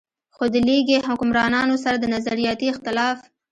خو د ليګي حکمرانانو سره د نظرياتي اختلاف